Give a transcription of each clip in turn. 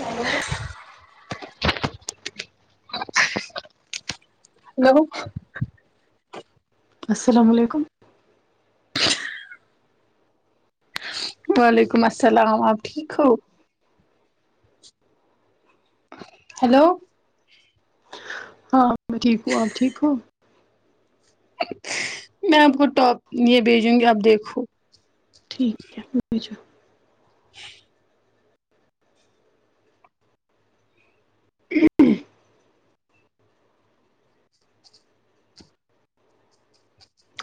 [inaudible] hello السلام وعلیکم وعلیکم السلام آپ ٹھیک ہو ہیلو ہاں میں ٹھیک ہوں آپ ٹھیک ہو میں آپ کو ٹاپ یہ بھیجوں گی آپ دیکھو ٹھیک ہے پھر بھیجو [inaudible] [unintelligible]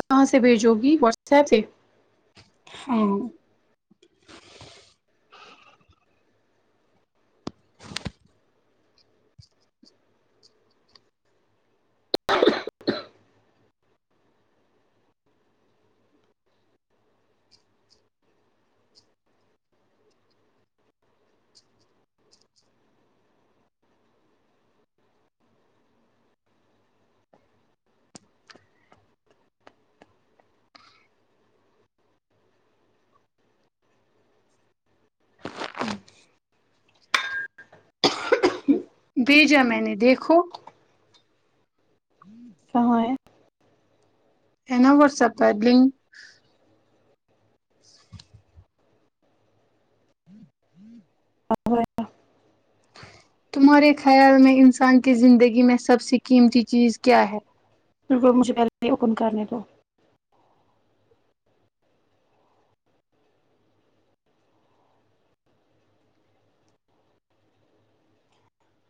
کہاں سے بھیجو گی واٹس ایپ سے ہاں [inaudible] بھیجا میں نے دیکھو کہاں ہے ہے نا واٹس ایپ کا لنک تمہارے خیال میں انسان کی زندگی میں سب سے قیمتی چیز کیا ہے بالکل مجھے پہلے اوپن کرنے دو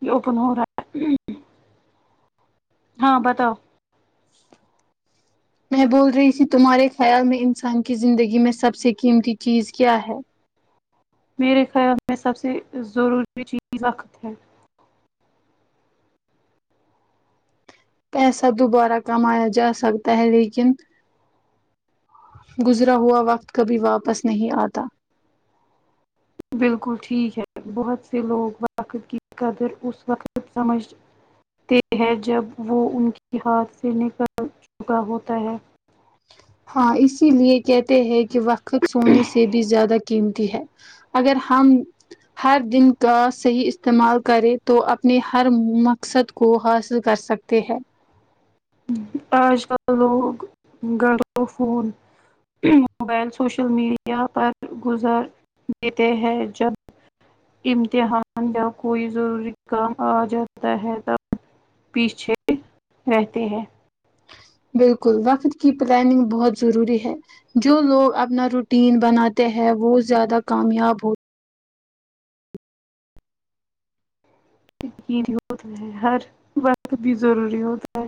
یہ اوپن ہو رہا ہے ہاں بتاؤ میں بول رہی تھی تمہارے خیال میں انسان کی زندگی میں سب سے قیمتی چیز کیا ہے میرے خیال میں سب سے ضروری چیز وقت ہے پیسہ دوبارہ کمایا جا سکتا ہے لیکن گزرا ہوا وقت کبھی واپس نہیں آتا بالکل ٹھیک ہے بہت سے لوگ وقت کی قدر اس وقت سمجھ تے ہے جب وہ ان کے ہاتھ سے نکل چکا ہوتا ہے ہاں اسی لیے کہتے ہیں کہ وقت سونے سے بھی زیادہ قیمتی ہے اگر ہم ہر دن کا صحیح استعمال کرے تو اپنے ہر مقصد کو حاصل کر سکتے ہیں آج وہ لوگ گھر کو فون موبائل سوشل میڈیا پر گزار دیتے ہیں جب امتحان یا کوئی ضروری کام آ جاتا ہے تب پیچھے رہتے ہیں بالکل وقت کی پلاننگ بہت ضروری ہے جو لوگ اپنا روٹین بناتے ہیں وہ زیادہ کامیاب ہو تے ہیں ہر وقت بھی ضروری ہوتا ہے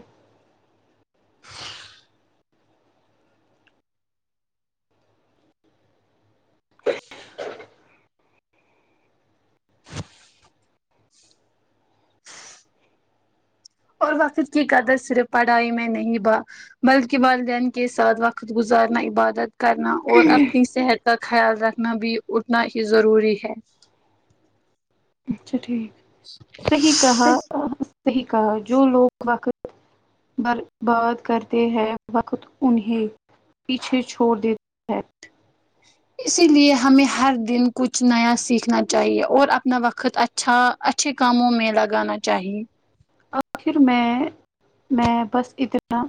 اور وقت کی قدر صرف پڑھائی میں نہیں با بلکہ والدین کے ساتھ وقت گزارنا عبادت کرنا اور اپنی صحت کا خیال رکھنا بھی اتنا ہی ضروری ہے اچھا ٹھیک صحییح کہا صحیح کہا جو لوگ وقت برباد کرتے ہیں وقت انہیں پیچھے چھوڑ دے اسی لیے ہمیں ہر دن کچھ نیا سیکھنا چاہیے اور اپنا وقت ا چھا اچھے کاموں میں لگانا چاہیے آخر میں میں بس اتنا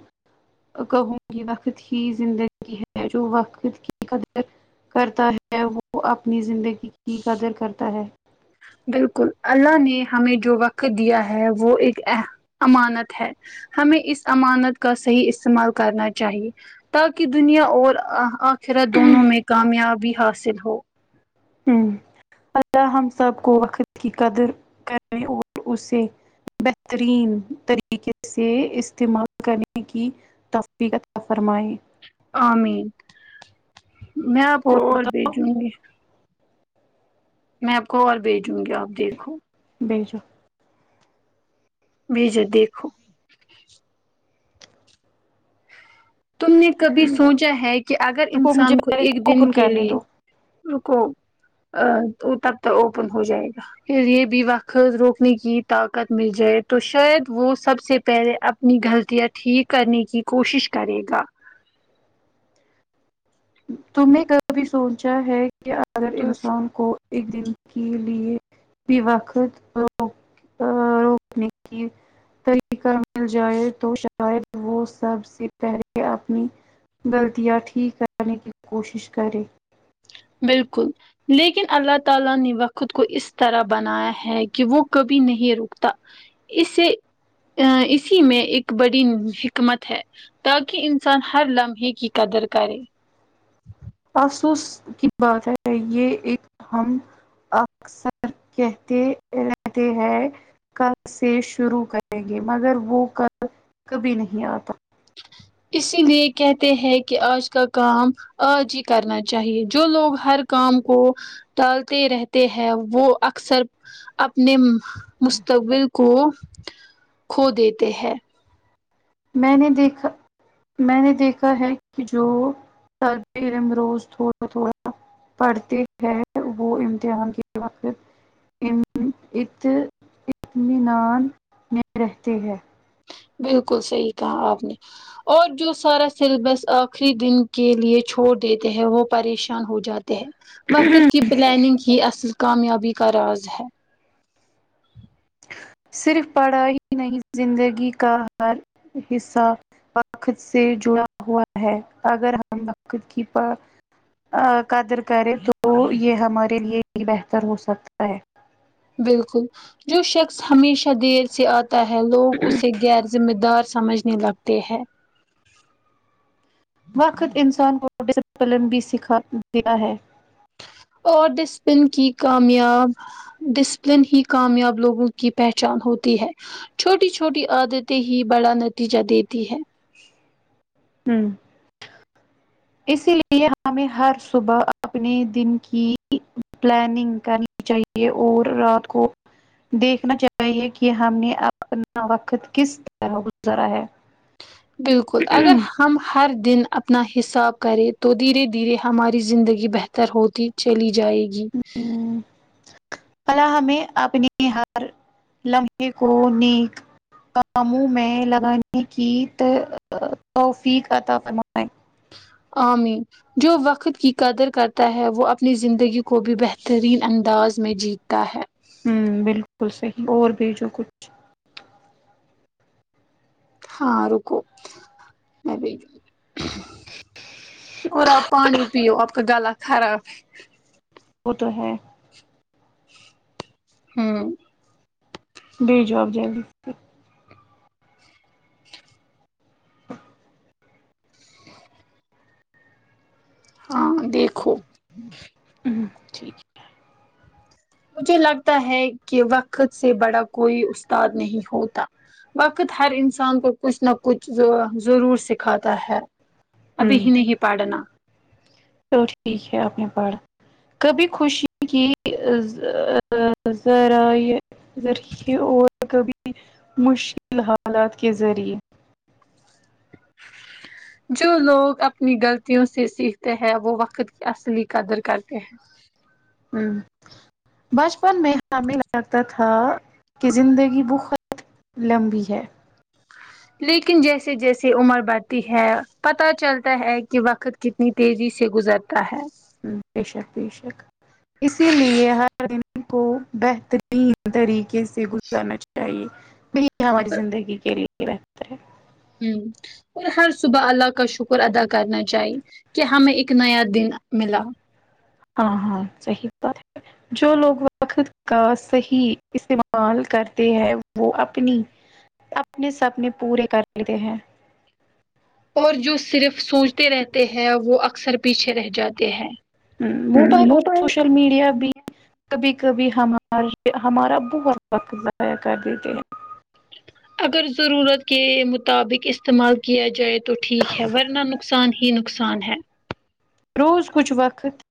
کہوں گی وقت ہی زندگی ہے جو وقت کی قدر کرتا ہے وہ اپنی زندگی کی قدر کرتا ہے بالکل اللہ نے ہمیں جو وقت دیا ہے وہ ایک اہ امانت ہے ہمیں اس امانت کا صحیح استعمال کرنا چاہیے تاکہ دنیا اور آ آخرت دونوں میں کامیابی حاصل ہو ہوں اللہ ہم سب کو وقت کی قدر کریں اور اسے بہترین طریقے سے استعمال کرنے کی توفیق عطا فرمائے آمین میں آپ کو اور بھیجوں گی میں آپ کو اور بھیجوں گی آپ دیکھو بھیجو بھیجے دیکھو تم نے کبھی سوچا ہے کہ اگر رکو مجھے انسان کو پہلے اس ایک دن اوپن کے کرنے لیے دو روکو ا وہ تب تو اوپن ہو جائے گا خیر یہ بھی وقت روکنے کی طاقت مل جائے تو شاید وہ سب سے پہلے اپ نی غلطیاں ٹھیک کرنے کی کوشش کرے گا تم نے کبھی سوچا ہے کہ اگر تو انسان کو ایک دن کے لیے بھی وقت ہو ا روکنے کی طریقہ مل جائے تو ش اید وہ سب سے پہلے اپنی غلطیاں ٹھیک کر نے کی کوشش کرے بالکل لیکن اللہ تعالی نے وقت کو اس طرح بنایا ہے کہ وہ کبھی نہیں رکتا اسے آ اسی میں ایک بڑی حکمت ہے تاکہ انسان ہر لمحے کی قدر کرے افسوس کی بات ہے یہ ایک ہم اکثر کہتے رہتے ہیں کل سے شروع کریں گے مگر وہ کل کبھی نہیں آتا اسی لیے کہتے ہیں کہ آج کا کام آج ہی کرنا چاہیے جو لوگ ہر کام کو ڈالتے رہتے ہیں وہ اکثر اپنے مہ مستقبل کو کھو دیتے ہیں میں نے دیکھا میں نے دیکھا ہے کہ جو ہے ہم روز تھوڑا تھوڑا پڑھتی ہے وہ امتحان کے وقت یم ات اطمینان میں رہتی ہے بالکل صحیح کہا آپ نے اور جو سارا سلیبس آخری دن کے لیے چھوڑ دیتے ہیں وہ پریشان ہو جاتے ہیں وقت کی پلاننگ ہی اصل کامیابی کا راز ہے صرف پڑھاںی ہی نہیں زندگی کا ہر حصہ وقت سے جڑا ہوا ہے اگر ہم وقت کی پا آ قدر کرے تو یہ ہمارے لیے ہی بہتر ہو سکتا ہے بالکل جو شخص ہمیشہ دیر سے آ تا ہے لوگ اسے غیر ذمہ دار سمجھنے لگتے ہیں وقت انسان کون ڈسپلن بھی سکھا دیا ہے اور ڈسپن کی کامیاب ڈسپلن ہی کامیاب لوگوں کی پہچان ہوتی ہے چھوٹی چھوٹی عادتیں ہی بڑا نتیجہ دیتی ہے ہوں اسی لیے ہمیں ہر صبح اپنے دن کی پلاننگ کرنی چاہیے اور رات کو دیکھنا چاہیے کہ ہم نے اپنا وقت کس طرح گزارا ہے بالکل اگر ہم ہر دن اپنا حساب کریں تو دھیرے دھیرے ہماری زندگی بہتر ہوتی چلی جائے گی اللہ ہمیں اپنے ہر لمحے کو نیک کاموں میں لگانے کی توفیق عطا فرماے آمین جو وقت کی قدر کرتا ہے وہ اپنی زندگی کو بھی بہترین انداز میں جیتا ہے ہوں بالکل صحیح اور بھی جو کچھ ہاں رکو میں بھی اور آپ پانی پیو آپ کا گلا خراب ہے وہ تو ہے ہاں بھیجو آپ جلدی [inaudible] ہاں دیکھو وں ٹھیک ہے مجھے لگتا ہے کہ وقت سے بڑا کوئی استاد نہیں ہوتا وقت ہر انسان کو کچھ نہ کچھ زوا ضرور سکھاتا ہے ابھی ہوں ہی نہیں پڑھنا تو ٹھیک ہے آپ نے پڑھا کبھی خوشی کی زا را ذرائع ذریعے اور کبھی مشکل حالات کے ذریعے جو لوگ اپنی غلطیوں سے سیکھتے ہیں وہ وقت کی اصلی قدر کرتے ہیں ہوں بچپن میں ہمیں لگتا تھا کہ زندگی بہت لمبی ہے لیکن جیسے جیسے عمر بڑھتی ہے پتہ چلتا ہے کہ وقت کتنی تیزی سے گزرتا ہے ہوں بے شک بے شک اسی لیے ہر دن کو بہتری یں طریقے سے گزارنا چاہیے یہی ہماری زندگی کے لیے بہتر ہے ہوں اور ہر صبح اللہ کا شکر ادا کرنا چاہیے کہ ہمیں ایک نیا دن ملا ہاں ہاں صحیح بات ہے جو لوگ وقت کا صحیح استعمال کرتے ہیں وہ اپنی اپنے سپنے پورے کر لیتے ہیں اور جو صرف سوچتے رہتے ہیں وہ اکثر پیچھے رہ جاتے ہیں ہوں موبائل اور سوشل میڈیا بھی کبھی کبھی ہمار ہمارا بہت وقت ضائع کر دیتے ہیں اگر ضرورت کے مطابق استعمال کیا جائے تو ٹھیک ہے ورنہ نقصان ہی نق صان ہے روز کچھ وقت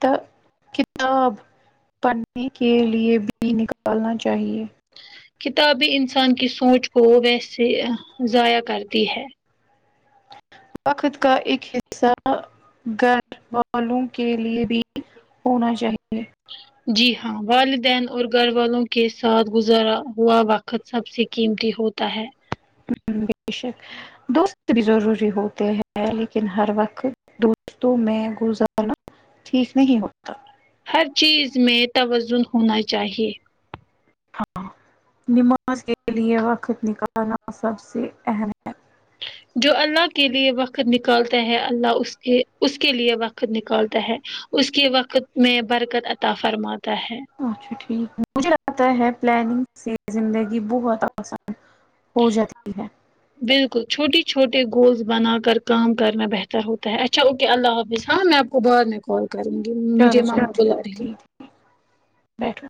تو کتاب پڑھنے کے لئے بھی نکالنا چاہئے کتابیں انسان کی سوچ کو ویسے اہ ضائع کرتی ہے وقت کا ایک حصہ گھر والوں کے لیے بھی ہونا چاہیے جی ہاں والدین اور گھر والوں کے ساتھ گزارا ہوا وق ت سب سے قیمتی ہوتا ہے بے شک دوست بھی ضروری ہوتے ہیں لیکن ہر وقت دوستوں میں گزارنا ٹھیک نہیں ہوتا ہر چیز میں توازن ہونا چاہیے نماز کے لیے وقت نکالنا سب سے اہم جو اللہ کے لیے وقت نکالتے ہیں اللہ اس کے اس کے لیے وقت ت نکالتا ہے اس کے وقت میں برکت عطا فرماتا ہے اچھا ٹھیک مجھے لگتا ہے پلاننگ سے زندگی بہت آسان ہو جاتی ہے بالکل چھوٹی چھوٹے گولس بنا کر کام کرنا بہتر ہوتا ہے ا چھا اوکے اللہ حافظ ہاں میں آپ کو بعد میں کال کروں گی مجھے چلو ماں چلو بلا ٹھیک رہی ہے ٹھیک بیٹھو